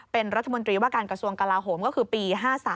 เป็นรัฐมนตรีว่าการกระทรวงกลาโหมก็คือปี๕๓